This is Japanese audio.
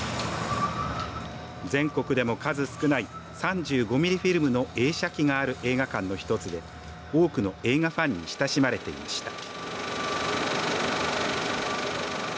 全国でも数少ない３５ミリフィルムの映写機がある映画館の一つで多くの映画ファンに親しまれていました。